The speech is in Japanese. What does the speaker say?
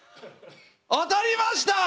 当たりました！